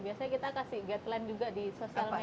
biasanya kita kasih guideline juga di sosial media